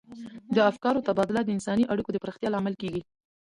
د افکارو تبادله د انساني اړیکو د پراختیا لامل کیږي.